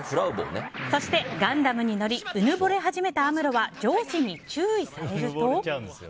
そしてガンダムに乗りうぬぼれ始めたアムロは上司に注意されると。